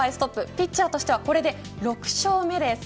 ピッチャーとしてはこれで６勝目です。